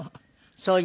そうそう。